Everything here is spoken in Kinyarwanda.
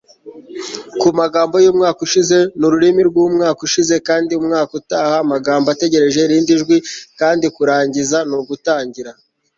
ku magambo y'umwaka ushize ni ururimi rw'umwaka ushize. kandi umwaka utaha amagambo ategereje irindi jwi. kandi kurangiza ni ugutangira